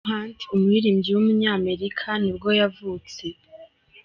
Sam Hunt, umuririmbyi w’umunyamerika nibwo yavutse.